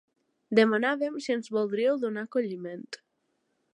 Demanàvem si ens voldríeu donar acolliment.